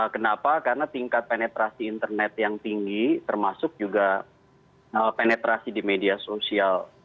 kenapa karena tingkat penetrasi internet yang tinggi termasuk juga penetrasi di media sosial